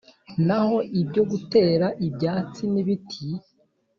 Naho ibyo gutera ibyatsi n’ibiti